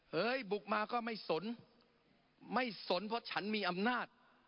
บุกมาก็ไม่สนไม่สนเพราะฉันมีอำนาจ